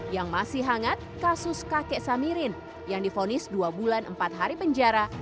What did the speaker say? yang masih hangat kasus kakek samirin yang difonis dua bulan empat hari penjara